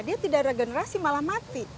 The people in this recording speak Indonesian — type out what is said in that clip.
dia tidak regenerasi malah mati